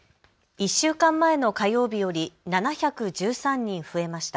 １週間前の火曜日より７１３人増えました。